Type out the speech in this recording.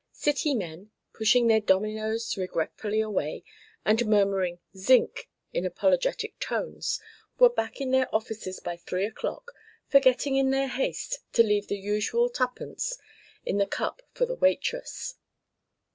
City men, pushing their dominoes regretfully away, and murmuring "Zinc" in apologetic tones, were back in their offices by three o'clock, forgetting in their haste to leave the usual twopence under the cup for the waitress.